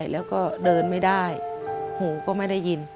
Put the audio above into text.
แล้วก็เดินไม่ได้หูก็ไม่ได้ยิน